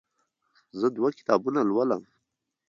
زه دوه کتابونه لولم.